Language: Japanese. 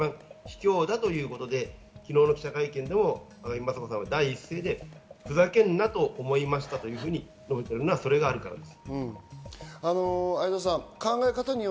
終わりというやり方は一番卑怯だということで昨日の記者会見でも雅子さんは第一声で、「ふざけんなと思いました」というふうに言っていたのはそれがあるからです。